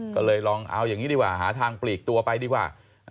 ก็เลยลองเอาอย่างนี้ดีกว่าหาทางปลีกตัวไปดีกว่า